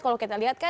kalau kita lihat kan